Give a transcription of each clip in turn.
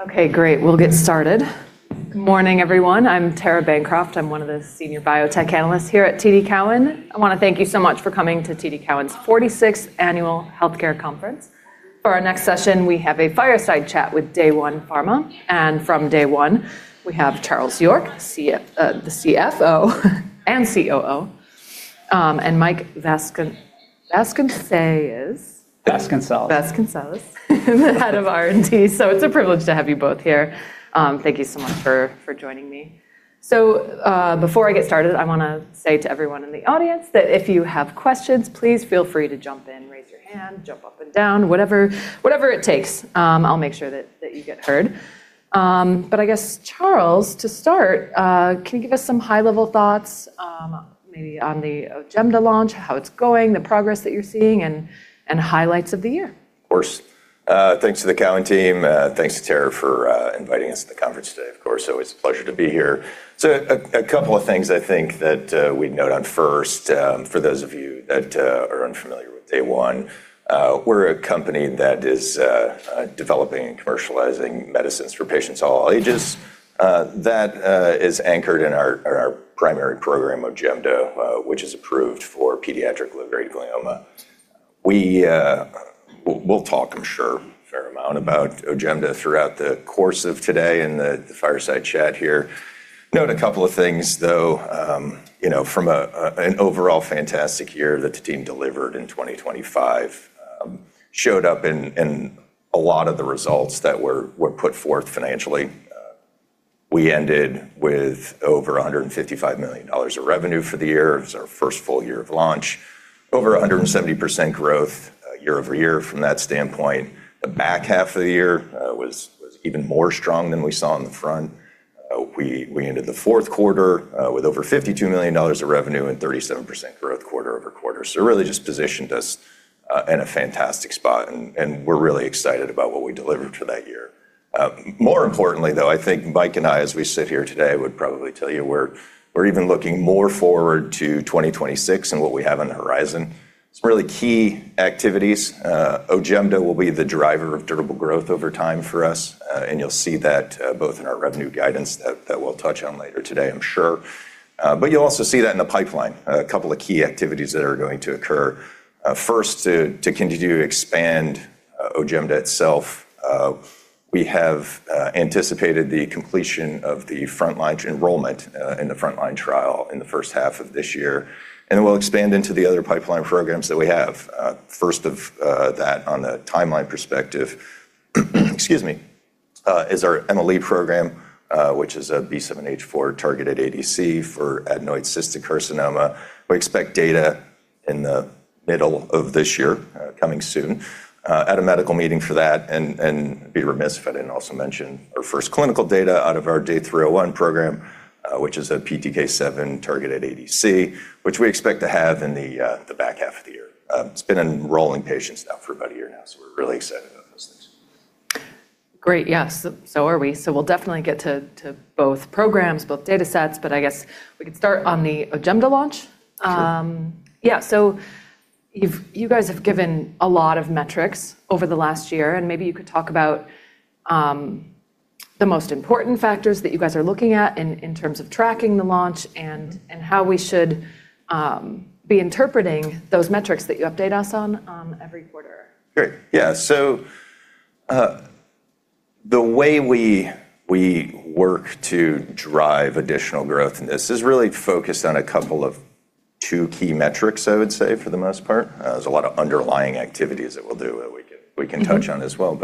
Okay, great. We'll get started. Good morning, everyone. I'm Tara Bancroft. I'm one of the Senior Biotech Analysts here at TD Cowen. I wanna thank you so much for coming to TD Cowen's 46th Annual Healthcare Conference. For our next session, we have a fireside chat with Day One Pharma. From Day One, we have Charles York, the CFO and COO, and Mike Vasconcelles? Vasconcellas. Vasconcelles, the head of R&D. It's a privilege to have you both here. Thank you so much for joining me. Before I get started, I wanna say to everyone in the audience that if you have questions, please feel free to jump in, raise your hand, jump up and down, whatever it takes, I'll make sure that you get heard. But I guess Charles, to start, can you give us some high-level thoughts, maybe on the OJEMDA launch, how it's going, the progress that you're seeing and highlights of the year? Of course. Thanks to the TD Cowen team. Thanks to Tara Bancroft for inviting us to the conference today. Of course, always a pleasure to be here. A couple of things I think that we'd note on first, for those of you that are unfamiliar with Day One, we're a company that is developing and commercializing medicines for patients of all ages that is anchored in our primary program, OJEMDA, which is approved for pediatric low-grade glioma. We'll talk I'm sure a fair amount about OJEMDA throughout the course of today in the fireside chat here. Note a couple of things, though, you know, from an overall fantastic year that the team delivered in 2025, showed up in a lot of the results that were put forth financially. We ended with over $155 million of revenue for the year. It was our first full year of launch. Over 170% growth year-over-year from that standpoint. The back half of the year was even more strong than we saw in the front. We ended the fourth quarter with over $52 million of revenue and 37% growth quarter-over-quarter. It really just positioned us in a fantastic spot, and we're really excited about what we delivered for that year. More importantly, though, I think Mike and I, as we sit here today, would probably tell you we're even looking more forward to 2026 and what we have on the horizon. Some really key activities. OJEMDA will be the driver of durable growth over time for us, and you'll see that both in our revenue guidance that we'll touch on later today, I'm sure. You'll also see that in the pipeline, a couple of key activities that are going to occur. First, to continue to expand OJEMDA itself, we have anticipated the completion of the frontline enrollment in the frontline trial in the 1st half of this year, and we'll expand into the other pipeline programs that we have. First of that on the timeline perspective, excuse me, is our Emi-Le program, which is a B7-H4-targeted ADC for adenoid cystic carcinoma. We expect data in the middle of this year, coming soon, at a medical meeting for that and be remiss if I didn't also mention our first clinical data out of our DAY301 program, which is a PTK7-targeted ADC, which we expect to have in the back half of the year. It's been enrolling patients now for about a year now, so we're really excited about those things. Great. Yeah. Are we. We'll definitely get to both programs, both datasets, I guess we could start on the OJEMDA launch. Sure. You guys have given a lot of metrics over the last year, and maybe you could talk about the most important factors that you guys are looking at in terms of tracking the launch and how we should be interpreting those metrics that you update us on every quarter. Great. Yeah. The way we work to drive additional growth, and this is really focused on a couple of two key metrics, I would say for the most part. There's a lot of underlying activities that we'll do. Mm-hmm we can touch on as well.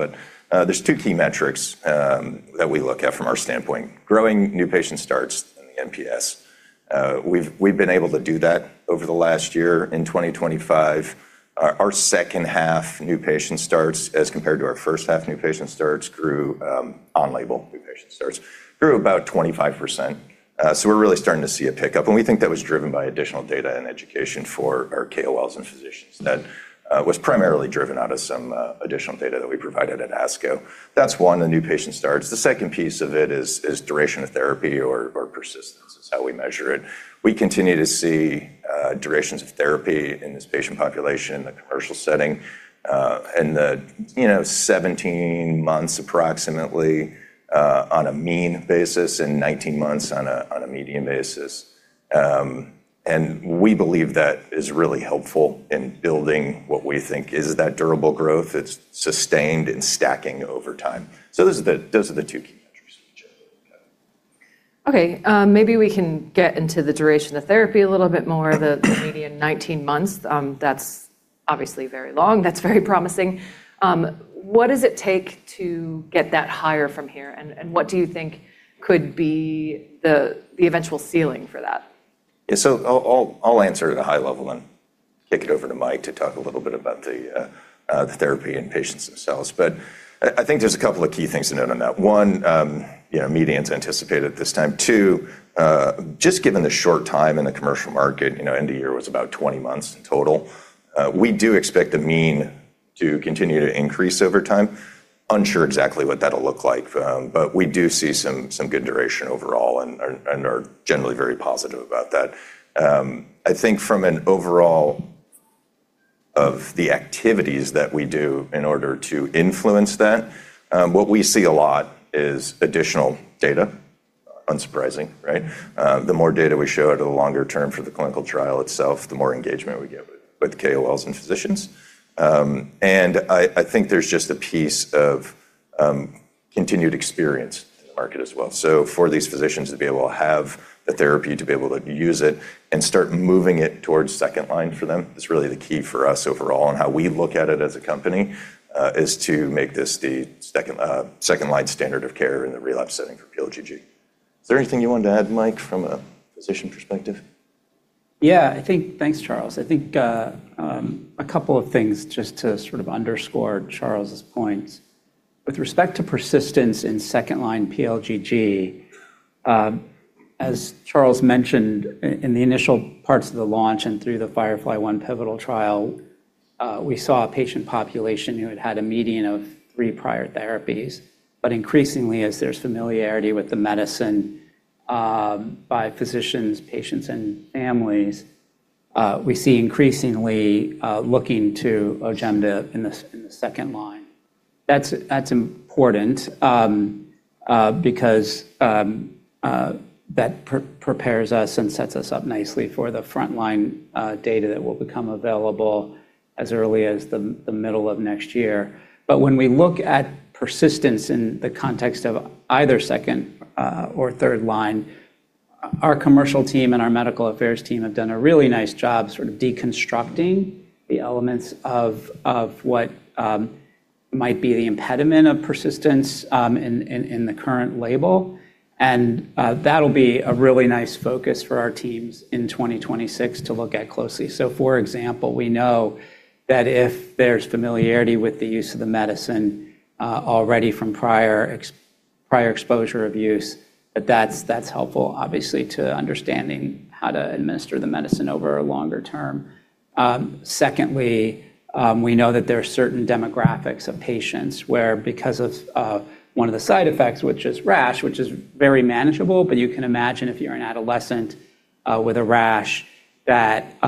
There's two key metrics that we look at from our standpoint. Growing new patient starts, NPS. We've been able to do that over the last year. In 2025, our second half new patient starts as compared to our first half new patient starts grew on label new patient starts, grew about 25%. We're really starting to see a pickup, and we think that was driven by additional data and education for our KOLs and physicians. That was primarily driven out of some additional data that we provided at ASCO. That's one, the new patient starts. The second piece of it is duration of therapy or persistence. It's how we measure it. We continue to see durations of therapy in this patient population in the commercial setting, you know, 17 months approximately on a mean basis, and 19 months on a median basis. We believe that is really helpful in building what we think is that durable growth that's sustained and stacking over time. Those are the two key metrics which are really kind of... Okay. Maybe we can get into the duration of therapy a little bit more, the median 19 months. That's obviously very long. That's very promising. What does it take to get that higher from here, and what do you think could be the eventual ceiling for that? Yeah. I'll answer at a high level, then kick it over to Mike to talk a little bit about the therapy and patients themselves. I think there's a couple of key things to note on that. One, you know, median's anticipated at this time. Two, just given the short time in the commercial market, you know, end of year was about 20 months in total, we do expect the mean to continue to increase over time. Unsure exactly what that'll look like, but we do see some good duration overall and are generally very positive about that. I think from an overall of the activities that we do in order to influence that, what we see a lot is additional data. Unsurprising, right? The more data we show to the longer term for the clinical trial itself, the more engagement we get with KOLs and physicians. I think there's just a piece of continued experience in the market as well. For these physicians to be able to have the therapy, to be able to use it and start moving it towards second line for them is really the key for us overall and how we look at it as a company, is to make this the second line standard of care in the relapse setting for PLGG. Is there anything you wanted to add, Mike, from a physician perspective? Yeah, I think. Thanks, Charles. I think, a couple of things just to sort of underscore Charles's points. With respect to persistence in second line pLGG, as Charles mentioned in the initial parts of the launch and through the FIREFLY-1 pivotal trial, we saw a patient population who had had a median of three prior therapies. Increasingly, as there's familiarity with the medicine, by physicians, patients, and families, we see increasingly, looking to OJEMDA in the second line. That's important, because that prepares us and sets us up nicely for the frontline data that will become available as early as the middle of next year. When we look at persistence in the context of either second or third line, our commercial team and our medical affairs team have done a really nice job sort of deconstructing the elements of what might be the impediment of persistence in the current label. That'll be a really nice focus for our teams in 2026 to look at closely. For example, we know that if there's familiarity with the use of the medicine already from prior exposure of use, that's helpful obviously to understanding how to administer the medicine over a longer term. Secondly, we know that there are certain demographics of patients where because of one of the side effects, which is rash, which is very manageable, but you can imagine if you're an adolescent with a rash that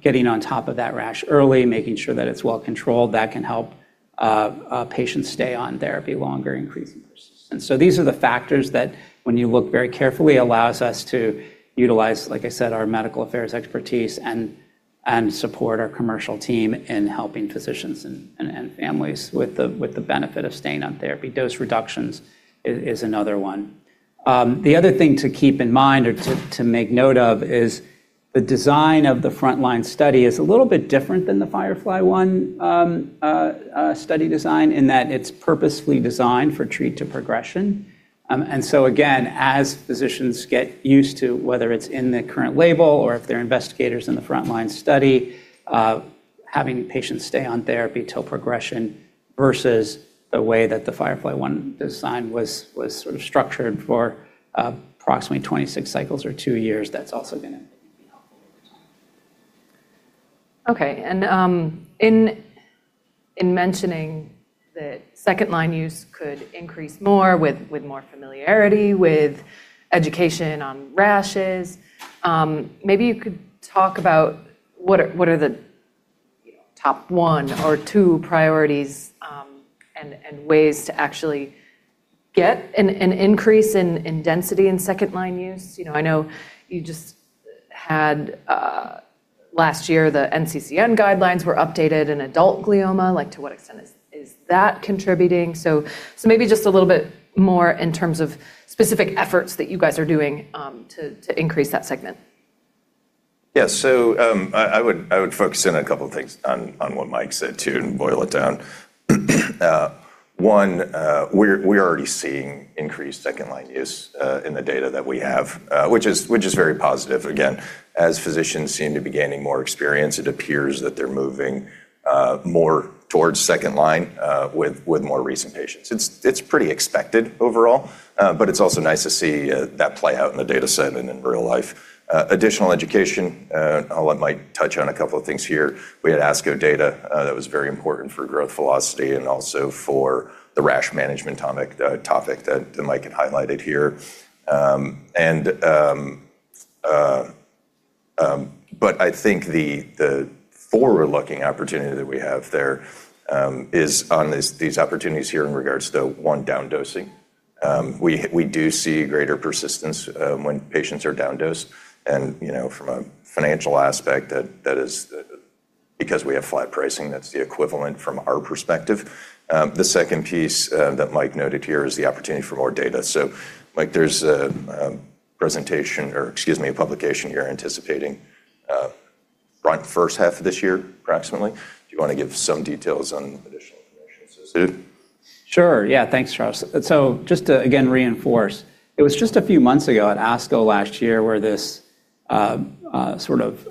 getting on top of that rash early, making sure that it's well controlled, that can help a patient stay on therapy longer, increase in persistence. These are the factors that when you look very carefully allows us to utilize, like I said, our medical affairs expertise and support our commercial team in helping physicians and families with the benefit of staying on therapy. Dose reductions is another one. The other thing to make note of is the design of the frontline study is a little bit different than the FIREFLY-1 study design in that it's purposefully designed for treat to progression. Again, as physicians get used to whether it's in the current label or if they're investigators in the frontline study, having patients stay on therapy till progression versus the way that the FIREFLY-1 design was sort of structured for approximately 26 cycles or 2 years, that's also gonna be helpful over time. Okay. In mentioning that second line use could increase more with more familiarity, with education on rashes, maybe you could talk about what are the top one or two priorities, and ways to actually get an increase in density in second line use. You know, I know you just had, last year the NCCN guidelines were updated in adult glioma. Like, to what extent is that contributing? Maybe just a little bit more in terms of specific efforts that you guys are doing, to increase that segment. I would focus in a couple of things on what Mike said too, and boil it down. One, we're already seeing increased second line use in the data that we have, which is very positive. As physicians seem to be gaining more experience, it appears that they're moving more towards second line with more recent patients. It's pretty expected overall, but it's also nice to see that play out in the dataset and in real life. Additional education, I'll let Mike touch on a couple of things here. We had ASCO data that was very important for growth velocity and also for the rash management topic that Mike had highlighted here. But I think the forward-looking opportunity that we have there, is on these opportunities here in regards to one, down dosing. We do see greater persistence when patients are down dosed. You know, from a financial aspect, that is because we have flat pricing, that's the equivalent from our perspective. The second piece that Mike noted here is the opportunity for more data. Mike, there's a presentation or, excuse me, a publication you're anticipating right the first half of this year approximately. Do you wanna give some details on additional information associated? Sure. Yeah. Thanks, Charles. Just to again reinforce, it was just a few months ago at ASCO last year where this, sort of,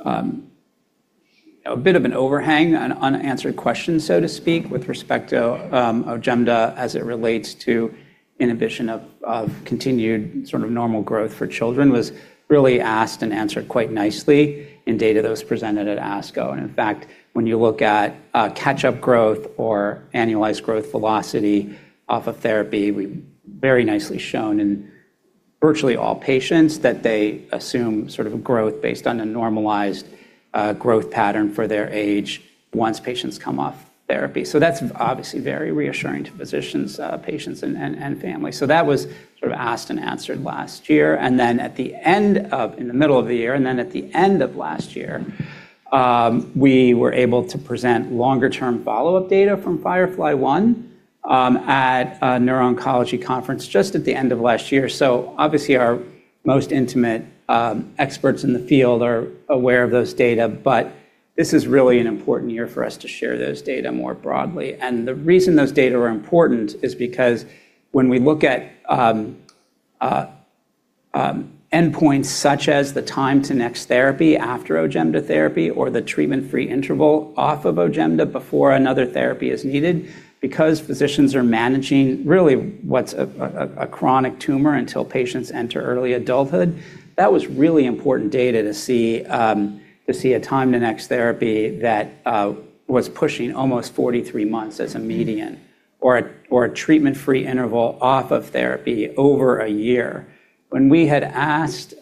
a bit of an overhang on unanswered questions, so to speak, with respect to OJEMDA as it relates to inhibition of continued sort of normal growth for children, was really asked and answered quite nicely in data that was presented at ASCO. In fact, when you look at catch-up growth or annualized growth velocity off of therapy, we very nicely shown in virtually all patients that they assume sort of a growth based on a normalized growth pattern for their age once patients come off therapy. That's obviously very reassuring to physicians, patients, and family. That was sort of asked and answered last year. At the end of... In the middle of the year, at the end of last year, we were able to present longer-term follow-up data from FIREFLY-1, at a neuro-oncology conference just at the end of last year. Obviously our most intimate experts in the field are aware of those data, but this is really an important year for us to share those data more broadly. The reason those data are important is because when we look at endpoints such as the time to next therapy after OJEMDA therapy or the treatment-free interval off of OJEMDA before another therapy is needed, because physicians are managing really what's a chronic tumor until patients enter early adulthood, that was really important data to see, to see a time to next therapy that was pushing almost 43 months as a median or a, or a treatment-free interval off of therapy over a year. When we had asked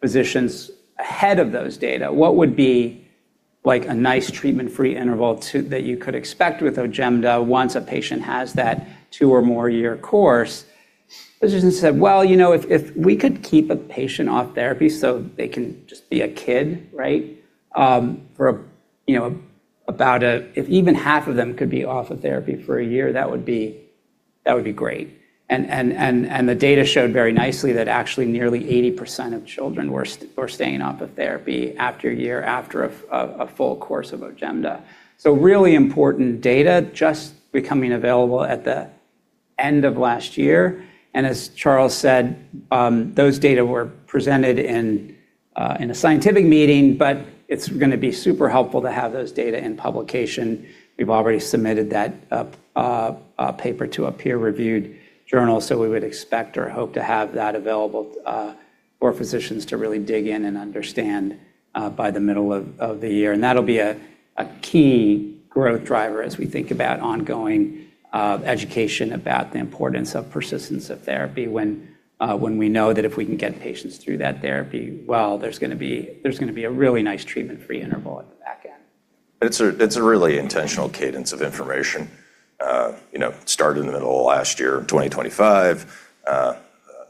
physicians ahead of those data what would be like a nice treatment-free interval that you could expect with OJEMDA once a patient has that two or more year course, physicians said, "Well, you know, if we could keep a patient off therapy so they can just be a kid, right, for, you know, about a... If even half of them could be off of therapy for a year, that would be, that would be great." The data showed very nicely that actually nearly 80% of children were staying off of therapy after a year, after a full course of OJEMDA. Really important data just becoming available at the end of last year. As Charles said, those data were presented in a scientific meeting. It's gonna be super helpful to have those data in publication. We've already submitted that up a paper to a peer-reviewed journal. We would expect or hope to have that available for physicians to really dig in and understand by the middle of the year. That'll be a key growth driver as we think about ongoing education about the importance of persistence of therapy when we know that if we can get patients through that therapy, well, there's gonna be a really nice treatment-free interval at the back end. It's a, it's a really intentional cadence of information. you know, started in the middle of last year, 2025.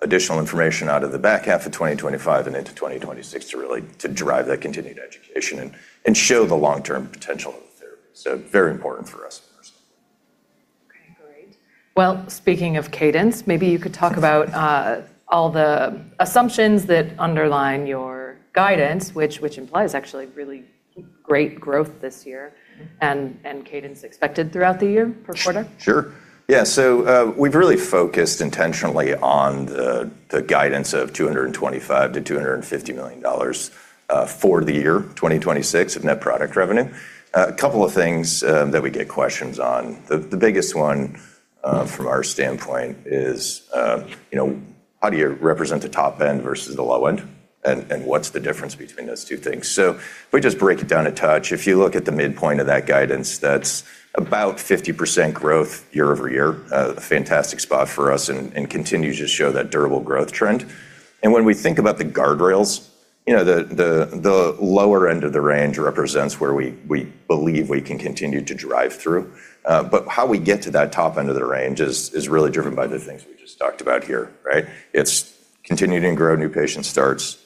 Additional information out of the back half of 2025 and into 2026 to really drive that continued education and show the long-term potential of the therapy. Very important for us personally. Okay, great. Well, speaking of cadence, maybe you could talk about all the assumptions that underline your guidance, which implies actually really great growth this year and cadence expected throughout the year per quarter. Sure. Yeah. We've really focused intentionally on the guidance of $225 million-$250 million for the year 2026 of net product revenue. A couple of things that we get questions on. The biggest one from our standpoint is, you know, how do you represent the top end versus the low end, and what's the difference between those two things? If we just break it down a touch, if you look at the midpoint of that guidance, that's about 50% growth year-over-year, a fantastic spot for us and continues to show that durable growth trend. When we think about the guardrails, you know, the lower end of the range represents where we believe we can continue to drive through. How we get to that top end of the range is really driven by the things we just talked about here, right? It's continuing to grow new patient starts,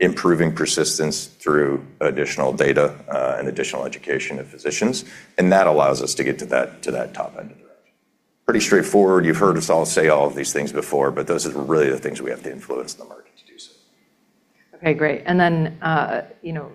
improving persistence through additional data, additional education of physicians, that allows us to get to that top end of the range. Pretty straightforward. You've heard us all say all of these things before, those are really the things we have to influence the market to do so. Okay, great. you know,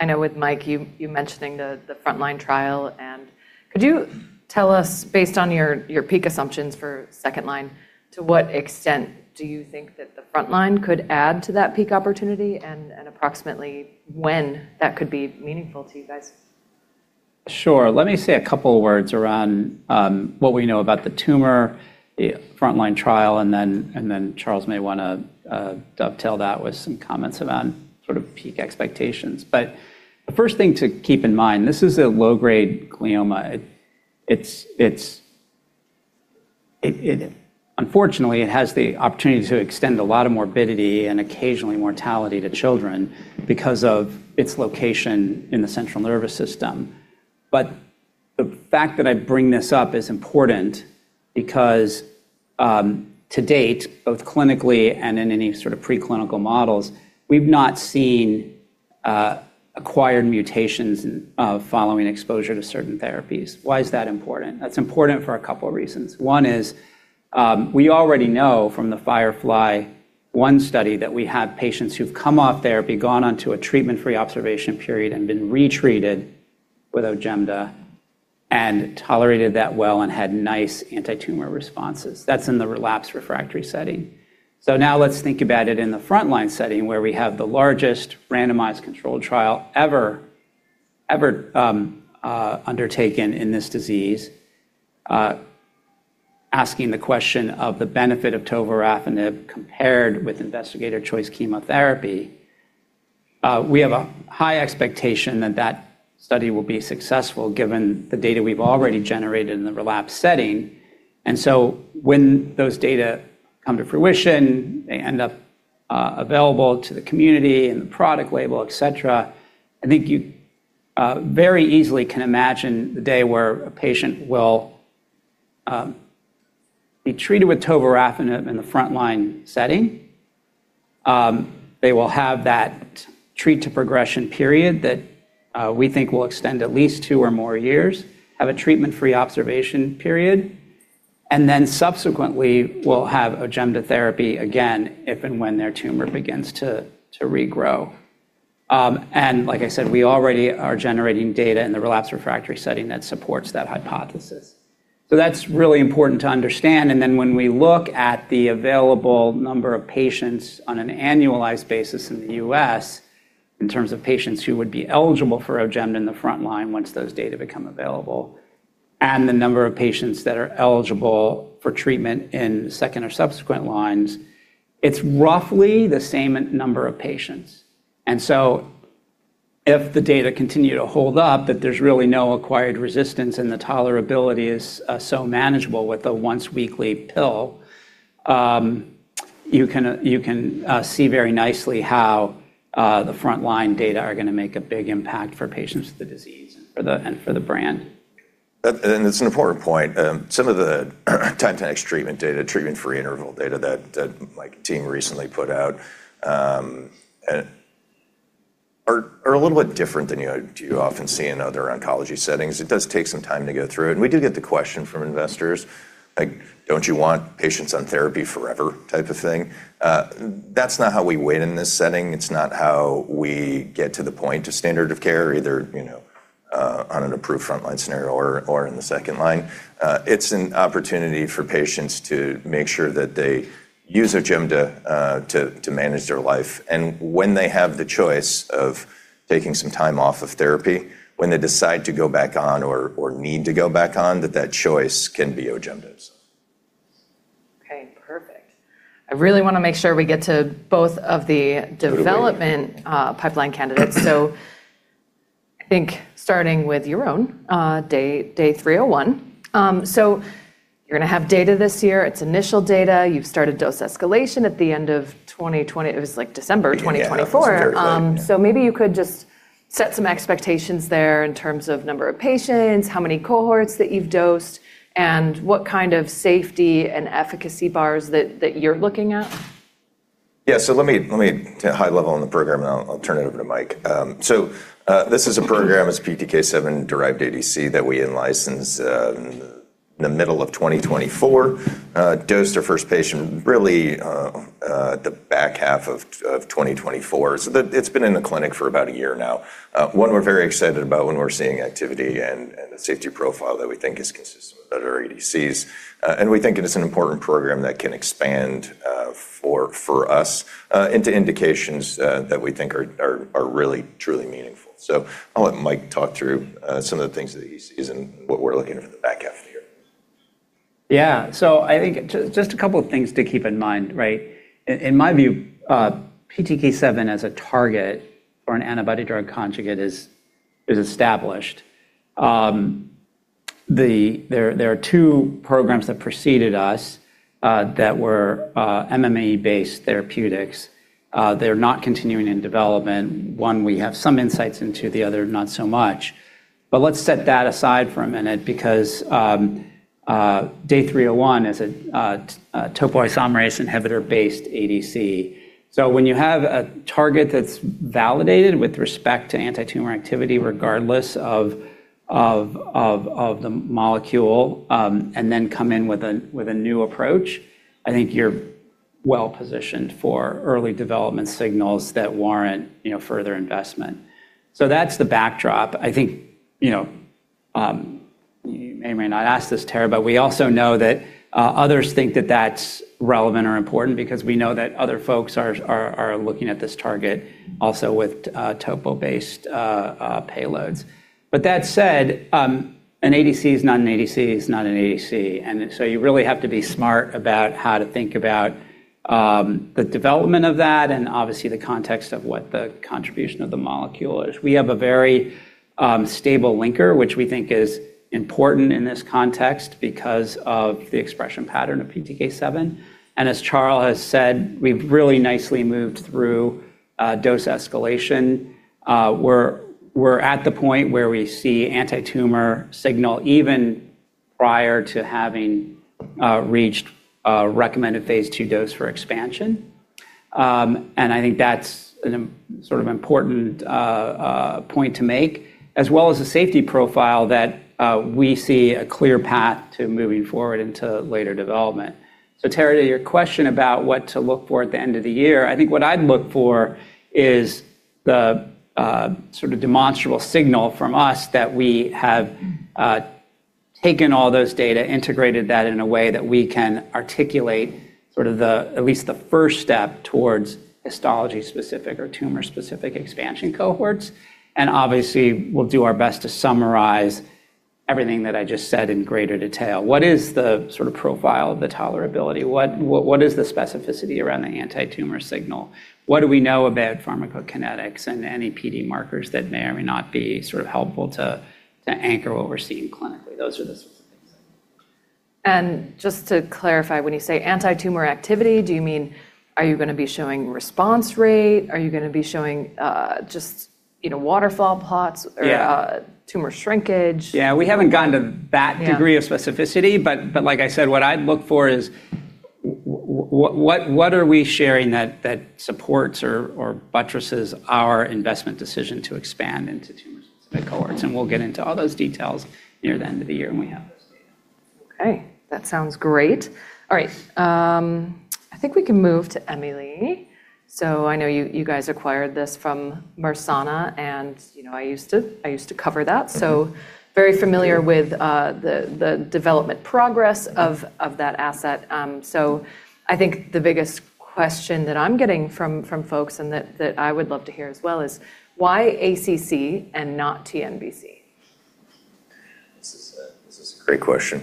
I know with Mike, you mentioning the frontline trial, and could you tell us based on your peak assumptions for second line, to what extent do you think that the frontline could add to that peak opportunity and approximately when that could be meaningful to you guys? Sure. Let me say a couple words around what we know about the tumor frontline trial, and then Charles may wanna dovetail that with some comments around sort of peak expectations. The first thing to keep in mind, this is a low-grade glioma. It's unfortunately, it has the opportunity to extend a lot of morbidity and occasionally mortality to children because of its location in the central nervous system. The fact that I bring this up is important because to date, both clinically and in any sort of preclinical models, we've not seen acquired mutations following exposure to certain therapies. Why is that important? That's important for a couple reasons. One is, we already know from the FIREFLY-1 study that we have patients who've come off therapy, gone onto a treatment-free observation period, and been retreated with OJEMDA and tolerated that well and had nice antitumor responses. That's in the relapsed refractory setting. Now let's think about it in the frontline setting, where we have the largest randomized controlled trial ever undertaken in this disease, asking the question of the benefit of tovorafenib compared with investigator choice chemotherapy. We have a high expectation that that study will be successful given the data we've already generated in the relapsed setting. When those data come to fruition, they end up available to the community and the product label, et cetera. I think you very easily can imagine the day where a patient will be treated with tovorafenib in the frontline setting. They will have that treat to progression period that we think will extend at least two or more years, have a treatment-free observation period, and then subsequently will have OJEMDA therapy again if and when their tumor begins to regrow. Like I said, we already are generating data in the relapsed refractory setting that supports that hypothesis. That's really important to understand. When we look at the available number of patients on an annualized basis in the U.S., in terms of patients who would be eligible for OJEMDA in the frontline once those data become available, and the number of patients that are eligible for treatment in second or subsequent lines, it's roughly the same number of patients. If the data continue to hold up, that there's really no acquired resistance and the tolerability is so manageable with a once weekly pill, you can see very nicely how the frontline data are gonna make a big impact for patients with the disease and for the brand. It's an important point. Some of the time to next treatment data, treatment-free interval data that Mike team recently put out, and are a little bit different than you do often see in other oncology settings. It does take some time to go through it, and we do get the question from investors, like, "Don't you want patients on therapy forever?" type of thing. That's not how we weight in this setting. It's not how we get to the point of standard of care, either, you know, on an approved frontline scenario or in the second line. It's an opportunity for patients to make sure that they use OJEMDA, to manage their life, and when they have the choice of taking some time off of therapy, when they decide to go back on or need to go back on, that that choice can be OJEMDA. Okay, perfect. I really wanna make sure we get to both of the. Totally. pipeline candidates. I think starting with your own DAY301. You're gonna have data this year. It's initial data. You've started dose escalation at the end of December 2024. Yeah, that was very right. Yeah. Maybe you could just set some expectations there in terms of number of patients, how many cohorts that you've dosed, and what kind of safety and efficacy bars that you're looking at? Yeah. Let me high level on the program, and I'll turn it over to Mike. This is a program. It's a PTK7-derived ADC that we in-licensed in the middle of 2024. Dosed our first patient really the back half of 2024. It's been in the clinic for about a year now. One we're very excited about when we're seeing activity and the safety profile that we think is consistent with other ADCs. We think it is an important program that can expand for us into indications that we think are really truly meaningful. I'll let Mike talk through some of the things that he sees and what we're looking for the back half of the year. Yeah. I think just a couple of things to keep in mind, right? In my view, PTK7 as a target or an antibody-drug conjugate is established. There are two programs that preceded us that were MMA-based therapeutics. They're not continuing in development. One, we have some insights into, the other not so much. Let's set that aside for a minute because DAY301 is a topoisomerase inhibitor-based ADC. When you have a target that's validated with respect to antitumor activity, regardless of the molecule, and then come in with a new approach, I think you're well-positioned for early development signals that warrant, you know, further investment. That's the backdrop. I think, you know, you may or may not ask this, Tara, but we also know that others think that that's relevant or important because we know that other folks are looking at this target also with topo-based payloads. That said, an ADC is not an ADC is not an ADC. So you really have to be smart about how to think about the development of that and obviously the context of what the contribution of the molecule is. We have a very stable linker, which we think is important in this context because of the expression pattern of PTK7. As Charles has said, we've really nicely moved through dose escalation. We're at the point where we see antitumor signal even prior to having reached a recommended Phase II dose for expansion. I think that's an sort of important point to make, as well as the safety profile that we see a clear path to moving forward into later development. Tara, to your question about what to look for at the end of the year, I think what I'd look for is the sort of demonstrable signal from us that we have taken all those data, integrated that in a way that we can articulate at least the first step towards histology-specific or tumor-specific expansion cohorts. Obviously, we'll do our best to summarize everything that I just said in greater detail. What is the sort of profile of the tolerability? What is the specificity around the anti-tumor signal? What do we know about pharmacokinetics and any PD markers that may or may not be sort of helpful to anchor what we're seeing clinically? Those are the sorts of things. Just to clarify, when you say anti-tumor activity, do you mean are you gonna be showing response rate? Are you gonna be showing, just, you know, waterfall plots? Yeah... tumor shrinkage? Yeah. We haven't gotten to that. Yeah... degree of specificity, but like I said, what are we sharing that supports or buttresses our investment decision to expand into tumor-specific cohorts, and we'll get into all those details near the end of the year when we have them. Okay, that sounds great. All right. I think we can move to Emi-Le. I know you guys acquired this from Mersana and, you know, I used to cover that, very familiar with the development progress of that asset. I think the biggest question that I'm getting from folks and that I would love to hear as well is why ACC and not TNBC? This is a great question.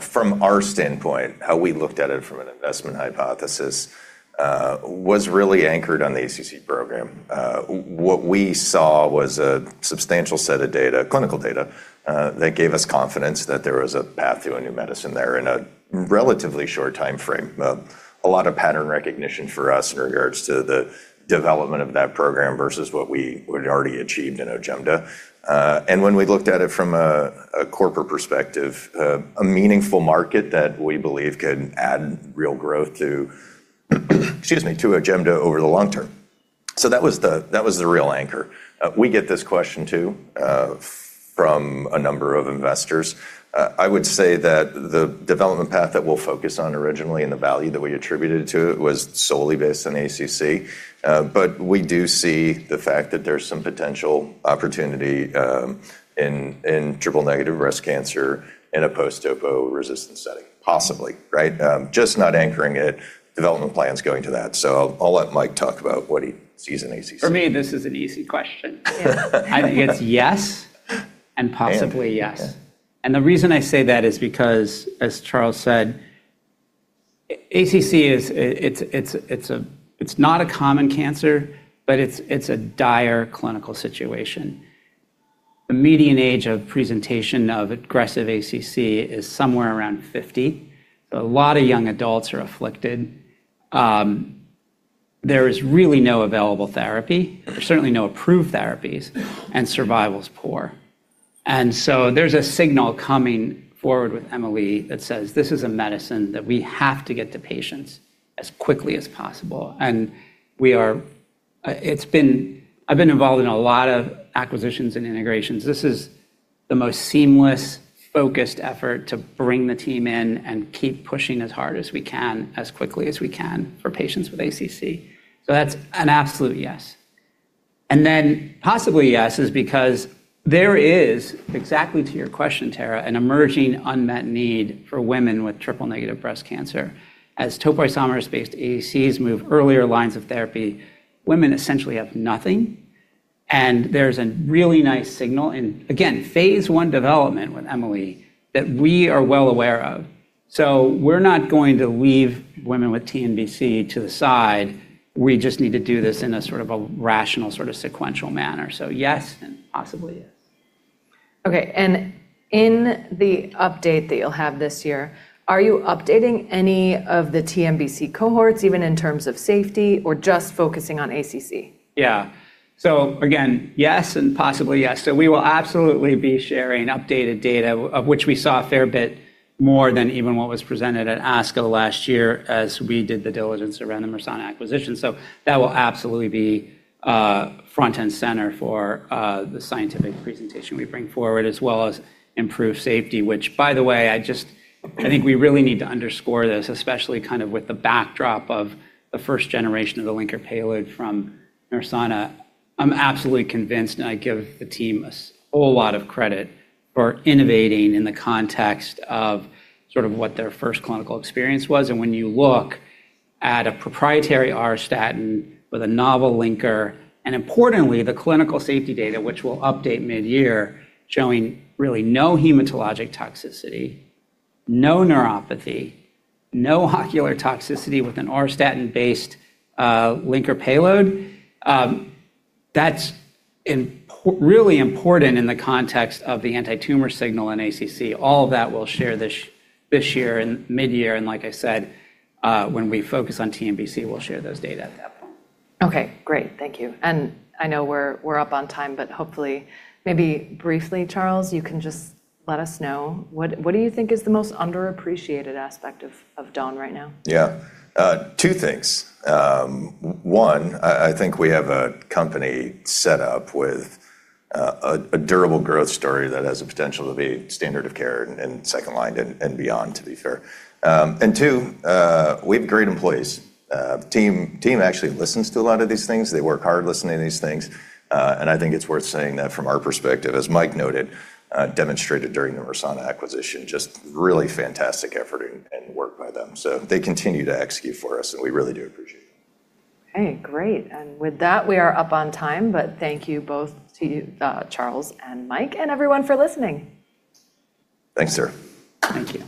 From our standpoint, how we looked at it from an investment hypothesis was really anchored on the ACC program. What we saw was a substantial set of data, clinical data that gave us confidence that there was a path to a new medicine there in a relatively short timeframe. A lot of pattern recognition for us in regards to the development of that program versus what we had already achieved in OJEMDA. When we looked at it from a corporate perspective, a meaningful market that we believe can add real growth to OJEMDA over the long term. That was the real anchor. We get this question too from a number of investors. I would say that the development path that we'll focus on originally and the value that we attributed to it was solely based on ACC. We do see the fact that there's some potential opportunity in triple-negative breast cancer in a post-topo resistant setting, possibly, right? Just not anchoring it, development plans going to that. I'll let Mike talk about what he sees in ACC. For me, this is an easy question. Yeah. I think it's yes and possibly yes. The reason I say that is because, as Charles said, ACC is, it's not a common cancer, but it's a dire clinical situation. The median age of presentation of aggressive ACC is somewhere around 50. A lot of young adults are afflicted. There is really no available therapy. There's certainly no approved therapies, survival is poor. There's a signal coming forward with Emi-Le that says, "This is a medicine that we have to get to patients as quickly as possible." I've been involved in a lot of acquisitions and integrations. This is the most seamless, focused effort to bring the team in and keep pushing as hard as we can, as quickly as we can for patients with ACC. That's an absolute yes. Possibly yes is because there is, exactly to your question, Tara, an emerging unmet need for women with triple-negative breast cancer. As topoisomerase-based ADCs move earlier lines of therapy, women essentially have nothing, and there's a really nice signal in, again, phase 1 development with Emi-Le that we are well aware of. We're not going to leave women with TNBC to the side. We just need to do this in a sort of a rational, sort of sequential manner. Yes and possibly yes. Okay. In the update that you'll have this year, are you updating any of the TNBC cohorts even in terms of safety or just focusing on ACC? Again, yes and possibly yes. We will absolutely be sharing updated data of which we saw a fair bit more than even what was presented at ASCO last year as we did the diligence around the Mersana acquisition. That will absolutely be front and center for the scientific presentation we bring forward as well as improved safety, which by the way, I think we really need to underscore this, especially kind of with the backdrop of the first generation of the linker payload from Mersana. I'm absolutely convinced and I give the team a whole lot of credit for innovating in the context of sort of what their first clinical experience was. When you look at a proprietary Auristatin with a novel linker, and importantly, the clinical safety data, which we'll update mid-year, showing really no hematologic toxicity, no neuropathy, no ocular toxicity with an Auristatin-based linker payload, that's really important in the context of the anti-tumor signal in ACC. All of that we'll share this year and mid-year, and like I said, when we focus on TNBC, we'll share those data at that point. Okay, great. Thank you. I know we're up on time, but hopefully maybe briefly, Charles, you can just let us know what do you think is the most underappreciated aspect of Day One right now? Yeah. Two things. One, I think we have a company set up with a durable growth story that has the potential to be standard of care in second line and beyond, to be fair. Two, we have great employees. The team actually listens to a lot of these things. They work hard listening to these things, and I think it's worth saying that from our perspective, as Mike noted, demonstrated during the Mersana acquisition, just really fantastic effort and work by them. They continue to execute for us, and we really do appreciate it. Okay, great. With that, we are up on time, but thank you both to Charles and Mike, and everyone for listening. Thanks, Tara. Thank you.